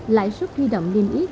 lãi suất huy động niêm yếp